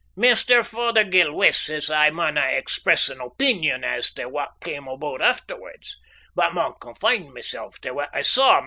Maister Fothergill West says I maunna express an opeenion as tae what cam aboot afterwards, but maun confine mysel' tae what I saw mysel'.